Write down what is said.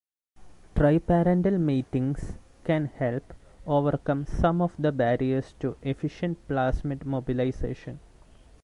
Triparental matings can help overcome some of the barriers to efficient plasmid mobilization.